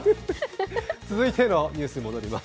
続いてのニュースに戻ります。